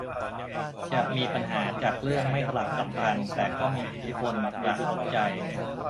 จะมีปัญหาจากเรื่องไม่สลักสำคัญแต่ก็มีอิทธิพลกระทบใจ